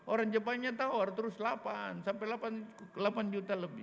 orang jepangnya tawar terus delapan sampai delapan juta lebih